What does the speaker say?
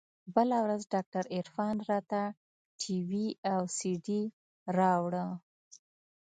بله ورځ ډاکتر عرفان راته ټي وي او سي ډي راوړه.